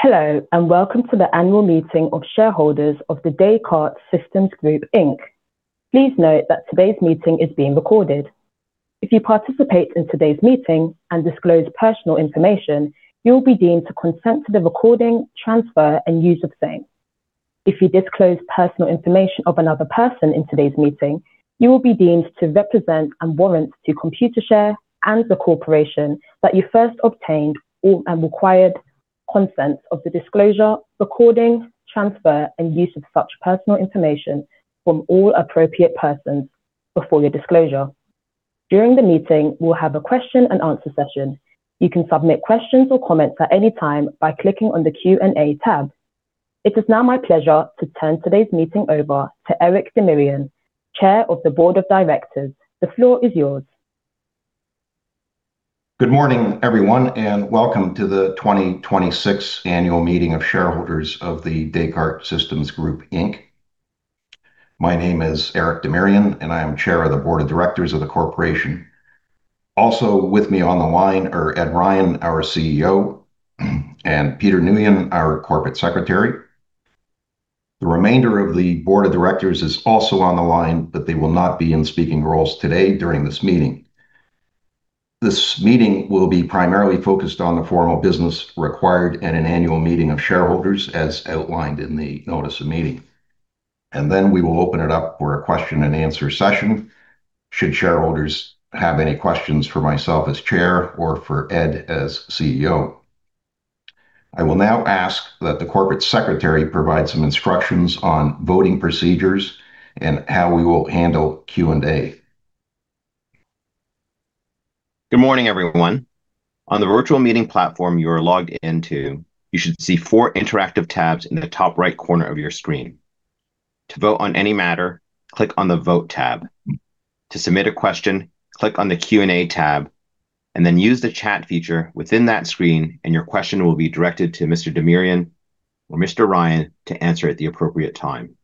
Hello, and welcome to the annual meeting of shareholders of The Descartes Systems Group Inc. Please note that today's meeting is being recorded. If you participate in today's meeting and disclose personal information, you will be deemed to consent to the recording, transfer, and use of same. If you disclose personal information of another person in today's meeting, you will be deemed to represent and warrant to Computershare and the corporation that you first obtained all and required consent of the disclosure, recording, transfer, and use of such personal information from all appropriate persons before your disclosure. During the meeting, we'll have a question and answer session. You can submit questions or comments at any time by clicking on the Q&A tab. It is now my pleasure to turn today's meeting over to Eric Demirian, Chair of the Board of Directors. The floor is yours. Good morning, everyone, and welcome to the 2026 annual meeting of shareholders of The Descartes Systems Group Inc. My name is Eric Demirian, and I am Chair of the Board of Directors of the corporation. Also with me on the line are Ed Ryan, our CEO, and Peter Nguyen, our Corporate Secretary. The remainder of the Board of Directors is also on the line, but they will not be in speaking roles today during this meeting. This meeting will be primarily focused on the formal business required at an annual meeting of shareholders, as outlined in the notice of meeting. Then we will open it up for a question and answer session should shareholders have any questions for myself as chair or for Ed as CEO. I will now ask that the Corporate Secretary provide some instructions on voting procedures and how we will handle Q&A. Good morning, everyone. On the virtual meeting platform you are logged into, you should see four interactive tabs in the top right corner of your screen. To vote on any matter, click on the Vote tab. To submit a question, click on the Q&A tab. Then use the chat feature within that screen, and your question will be directed to Mr. Demirian or Mr. Ryan to answer at the appropriate time.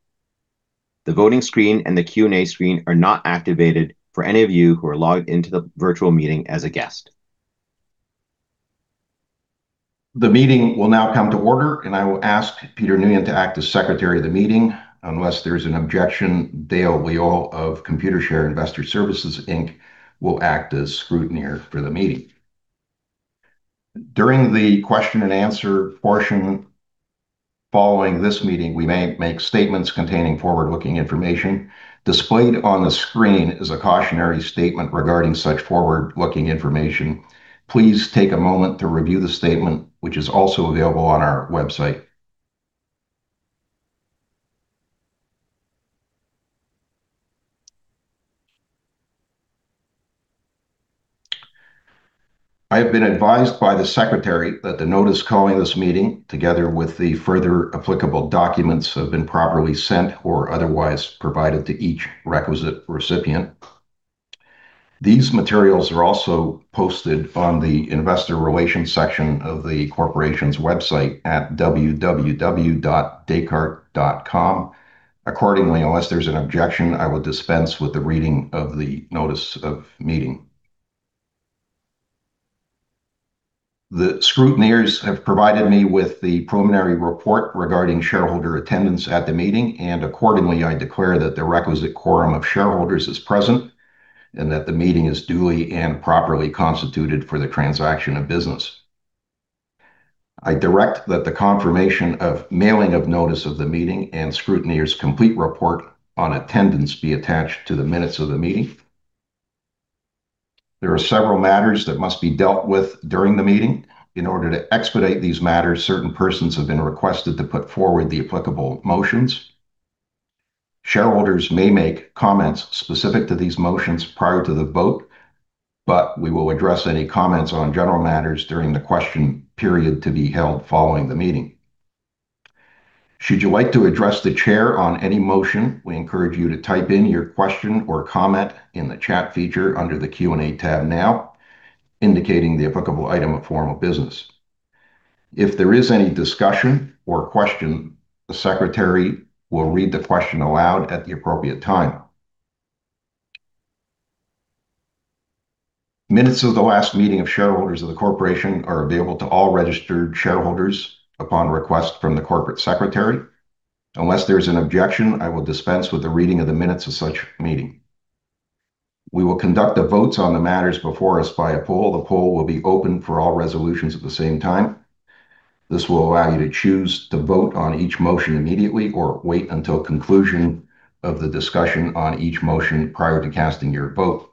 The voting screen and the Q&A screen are not activated for any of you who are logged into the virtual meeting as a guest. The meeting will now come to order. I will ask Peter Nguyen to act as secretary of the meeting. Unless there's an objection, Dale Leal of Computershare Investor Services Inc. will act as scrutineer for the meeting. During the question and answer portion following this meeting, we may make statements containing forward-looking information. Displayed on the screen is a cautionary statement regarding such forward-looking information. Please take a moment to review the statement, which is also available on our website. I have been advised by the secretary that the notice calling this meeting, together with the further applicable documents, have been properly sent or otherwise provided to each requisite recipient. These materials are also posted on the investor relations section of the corporation's website at www.descartes.com. Unless there's an objection, I will dispense with the reading of the notice of meeting. The scrutineers have provided me with the preliminary report regarding shareholder attendance at the meeting, and accordingly, I declare that the requisite quorum of shareholders is present and that the meeting is duly and properly constituted for the transaction of business. I direct that the confirmation of mailing of notice of the meeting and scrutineer's complete report on attendance be attached to the minutes of the meeting. There are several matters that must be dealt with during the meeting. In order to expedite these matters, certain persons have been requested to put forward the applicable motions. Shareholders may make comments specific to these motions prior to the vote, but we will address any comments on general matters during the question period to be held following the meeting. Should you like to address the chair on any motion, we encourage you to type in your question or comment in the chat feature under the Q&A tab now, indicating the applicable item of formal business. If there is any discussion or question, the secretary will read the question aloud at the appropriate time. Minutes of the last meeting of shareholders of the corporation are available to all registered shareholders upon request from the corporate secretary. Unless there's an objection, I will dispense with the reading of the minutes of such meeting. We will conduct the votes on the matters before us by a poll. The poll will be open for all resolutions at the same time. This will allow you to choose to vote on each motion immediately or wait until conclusion of the discussion on each motion prior to casting your vote.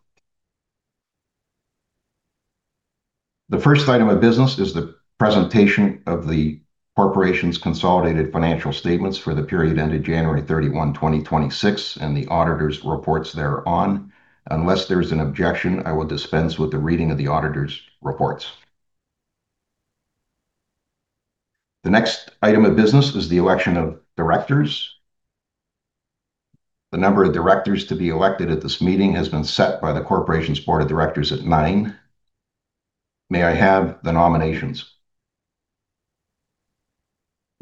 The first item of business is the presentation of the corporation's consolidated financial statements for the period ended January 31, 2026, and the auditor's reports thereon. Unless there's an objection, I will dispense with the reading of the auditor's reports. The next item of business is the election of directors. The number of directors to be elected at this meeting has been set by the corporation's board of directors at nine. May I have the nominations.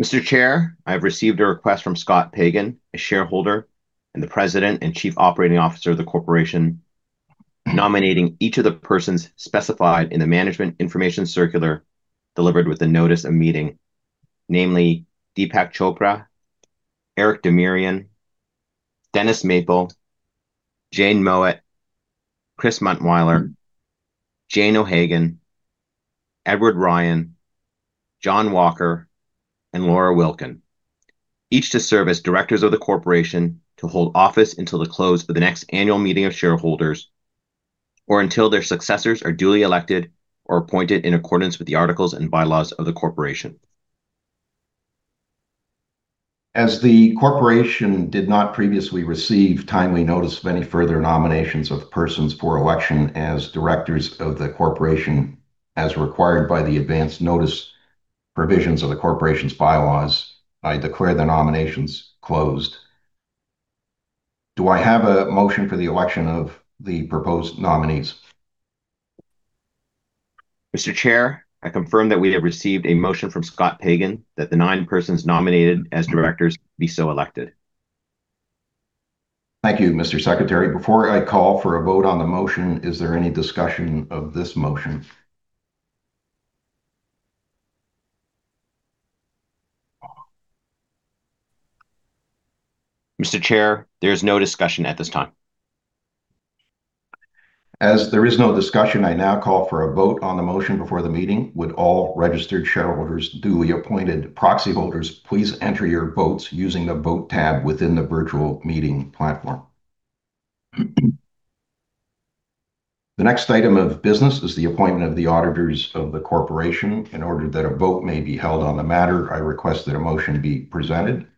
Mr. Chair, I have received a request from Scott Pagan, a shareholder and the President and Chief Operating Officer of the corporation nominating each of the persons specified in the management information circular delivered with the notice of meeting, namely Deepak Chopra, Eric Demirian, Dennis Maple, Jane Mowat, Chris Muntwyler, Jane O'Hagan, Edward Ryan, John Walker, and Laura Wilkin. Each to serve as directors of the corporation to hold office until the close of the next annual meeting of shareholders, or until their successors are duly elected or appointed in accordance with the articles and bylaws of the corporation. As the corporation did not previously receive timely notice of any further nominations of persons for election as directors of the corporation, as required by the advance notice provisions of the corporation's bylaws, I declare the nominations closed. Do I have a motion for the election of the proposed nominees? Mr. Chair, I confirm that we have received a motion from Scott Pagan that the nine persons nominated as directors be so elected. Thank you, Mr. Secretary. Before I call for a vote on the motion, is there any discussion of this motion? Mr. Chair, there is no discussion at this time. As there is no discussion, I now call for a vote on the motion before the meeting. Would all registered shareholders, duly appointed proxy holders, please enter your votes using the Vote tab within the virtual meeting platform. The next item of business is the appointment of the auditors of the corporation. In order that a vote may be held on the matter, I request that a motion be presented.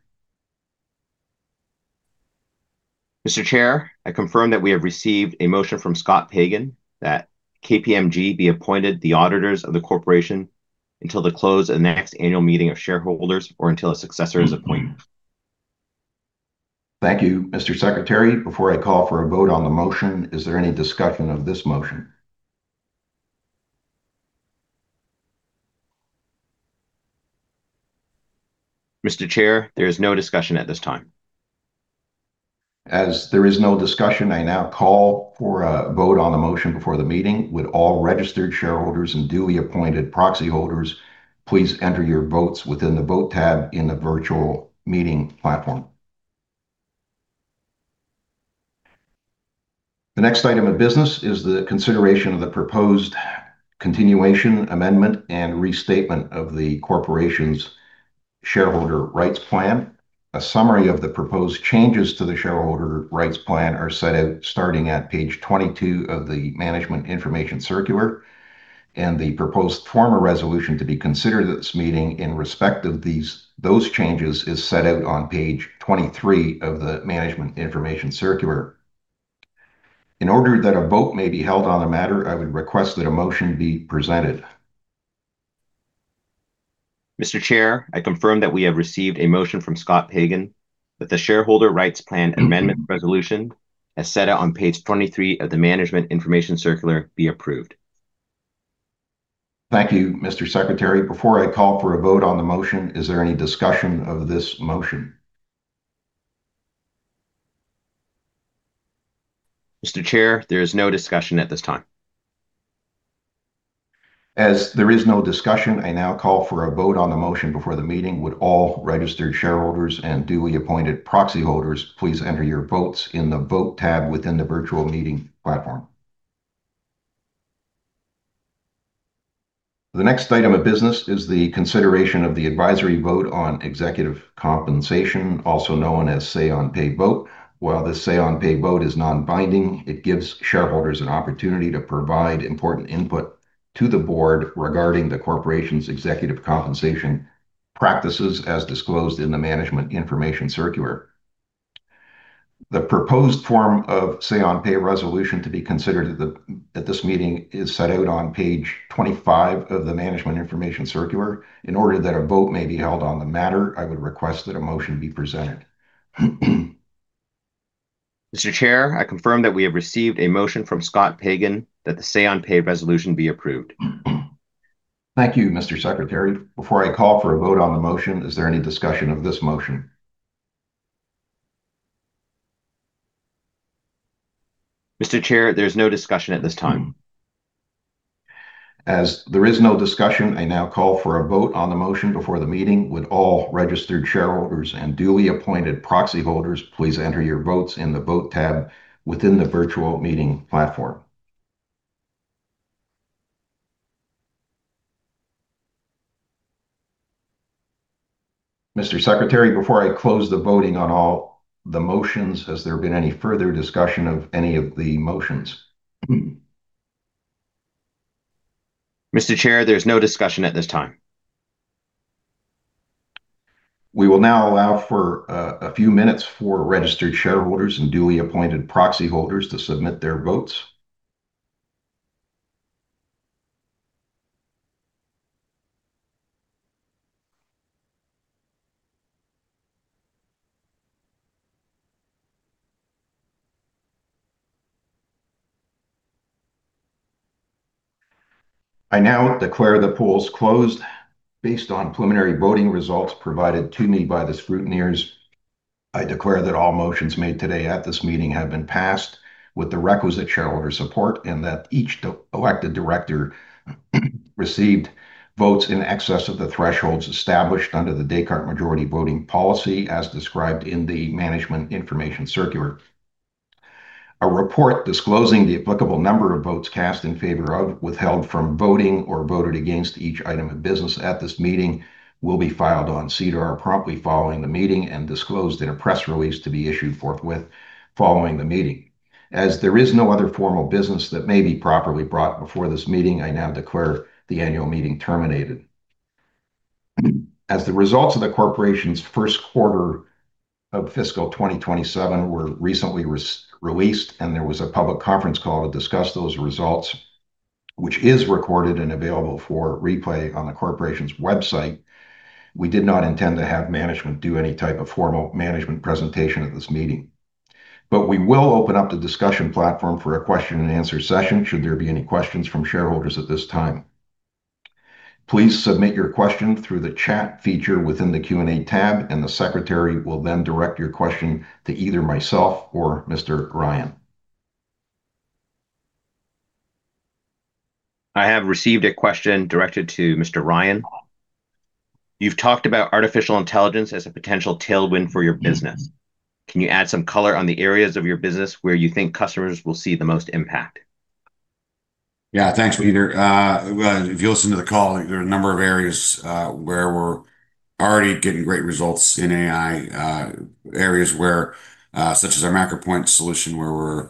Mr. Chair, I confirm that we have received a motion from Scott Pagan that KPMG be appointed the auditors of the corporation until the close of the next annual meeting of shareholders, or until a successor is appointed. Thank you, Mr. Secretary. Before I call for a vote on the motion, is there any discussion of this motion? Mr. Chair, there is no discussion at this time. As there is no discussion, I now call for a vote on the motion before the meeting. Would all registered shareholders and duly appointed proxy holders please enter your votes within the Vote tab in the virtual meeting platform. The next item of business is the consideration of the proposed continuation, amendment, and restatement of the corporation's shareholder rights plan. A summary of the proposed changes to the shareholder rights plan are set out starting at page 22 of the management information circular. The proposed form of resolution to be considered at this meeting in respect of those changes is set out on page 23 of the management information circular. In order that a vote may be held on the matter, I would request that a motion be presented. Mr. Chair, I confirm that we have received a motion from Scott Pagan that the shareholder rights plan amendment resolution, as set out on page 23 of the management information circular, be approved. Thank you, Mr. Secretary. Before I call for a vote on the motion, is there any discussion of this motion? Mr. Chair, there is no discussion at this time. As there is no discussion, I now call for a vote on the motion before the meeting. Would all registered shareholders and duly appointed proxy holders please enter your votes in the Vote tab within the virtual meeting platform. The next item of business is the consideration of the advisory vote on executive compensation, also known as say on pay vote. While the say on pay vote is non-binding, it gives shareholders an opportunity to provide important input to the board regarding the corporation's executive compensation practices as disclosed in the management information circular. The proposed form of say on pay resolution to be considered at this meeting is set out on page 25 of the management information circular. In order that a vote may be held on the matter, I would request that a motion be presented. Mr. Chair, I confirm that we have received a motion from Scott Pagan that the say on pay resolution be approved. Thank you, Mr. Secretary. Before I call for a vote on the motion, is there any discussion of this motion? Mr. Chair, there's no discussion at this time. As there is no discussion, I now call for a vote on the motion before the meeting. Would all registered shareholders and duly appointed proxy holders please enter your votes in the Vote tab within the virtual meeting platform. Mr. Secretary, before I close the voting on all the motions, has there been any further discussion of any of the motions? Mr. Chair, there's no discussion at this time. We will now allow for a few minutes for registered shareholders and duly appointed proxy holders to submit their votes. I now declare the polls closed based on preliminary voting results provided to me by the scrutineers. I declare that all motions made today at this meeting have been passed with the requisite shareholder support, and that each elected director received votes in excess of the thresholds established under the Descartes majority voting policy as described in the management information circular. A report disclosing the applicable number of votes cast in favor of, withheld from voting, or voted against each item of business at this meeting will be filed on SEDAR promptly following the meeting and disclosed in a press release to be issued forthwith following the meeting. As there is no other formal business that may be properly brought before this meeting, I now declare the annual meeting terminated. As the results of the corporation's first quarter of fiscal 2027 were recently released, and there was a public conference call to discuss those results, which is recorded and available for replay on the corporation's website, we did not intend to have management do any type of formal management presentation at this meeting. We will open up the discussion platform for a question and answer session, should there be any questions from shareholders at this time. Please submit your question through the chat feature within the Q&A tab, and the secretary will then direct your question to either myself or Mr. Ryan. I have received a question directed to Mr. Ryan. "You've talked about artificial intelligence as a potential tailwind for your business. Can you add some color on the areas of your business where you think customers will see the most impact? Yeah, thanks, Peter. Well, if you listen to the call, there are a number of areas where we're already getting great results in AI. Areas where, such as our MacroPoint solution, where we're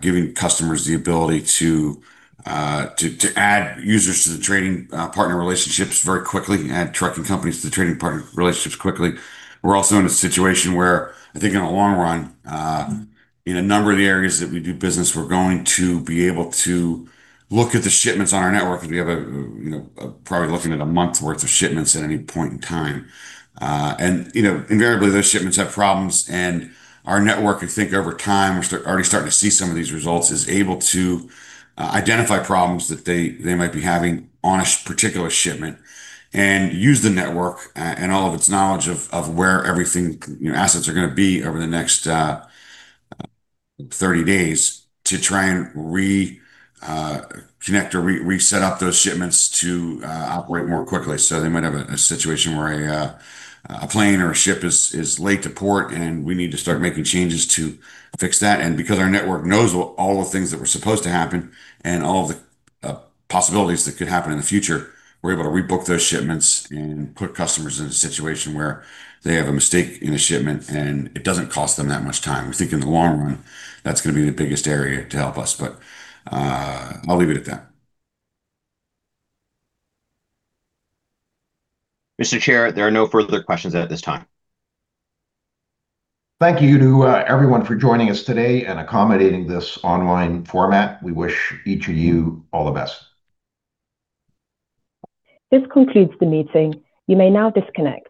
giving customers the ability to add users to the trading partner relationships very quickly, add trucking companies to the trading partner relationships quickly. We're also in a situation where I think in the long run, in a number of the areas that we do business, we're going to be able to look at the shipments on our network, because we have a, you know, probably looking at a month's worth of shipments at any point in time. You know, invariably, those shipments have problems and our network, I think over time, we're already starting to see some of these results, is able to identify problems that they might be having on a particular shipment and use the network, and all of its knowledge of where everything, you know, assets are gonna be over the next 30 days to try and reconnect or reset up those shipments to operate more quickly. They might have a situation where a plane or a ship is late to port, and we need to start making changes to fix that. Because our network knows all the things that were supposed to happen and all of the possibilities that could happen in the future, we're able to rebook those shipments and put customers in a situation where they have a mistake in a shipment, and it doesn't cost them that much time. We think in the long run, that's gonna be the biggest area to help us. I'll leave it at that. Mr. Chair, there are no further questions at this time. Thank you to everyone for joining us today and accommodating this online format. We wish each of you all the best. This concludes the meeting. You may now disconnect.